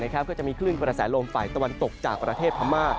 ก็จะมีคลื่นกระแสลมฝ่ายตะวันตกจากประเทศพม่า